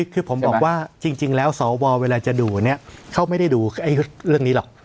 คือผมบอกว่าจริงแล้วสวเวลาจะดูเนี่ยเขาไม่ได้ดูเรื่องนี้หรอก